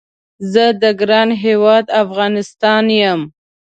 زه د ګران هیواد افغانستان یم